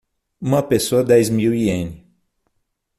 Uma pessoa dez mil iene